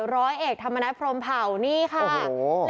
ร้อยเอกธรรมนัฐพรมเผ่านี่ค่ะ